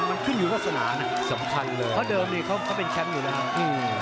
มันขึ้นอยู่วาสนามะสำคัญเลยเพราะเดิมเนี่ยเขาเป็นแชมป์อยู่แล้ว